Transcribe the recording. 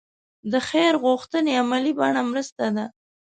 د خیر غوښتنې عملي بڼه مرسته ده.